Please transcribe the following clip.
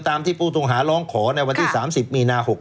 ตามที่ปูธงหาร้องขอในวันที่๓๐มีนา๖๐